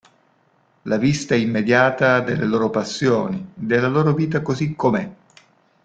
La vista immediata delle loro passioni, della loro vita così com'è.